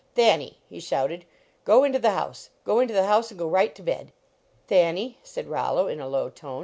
"Thanny!" he shouted, "go into the house ! Go into the house and go right to bed!" "Thanny," said Rollo, in a low tone, 70